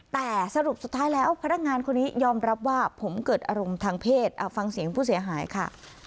แต่สรุปสุดท้ายแล้วพนักงานคนนี้ยอมรับว่าผมเกิดอารมณ์ทางเพศฟังเสียงผู้เสียหายค่ะ